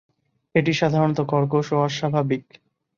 এটি সাধারণত কর্কশ ও অস্বাভাবিক।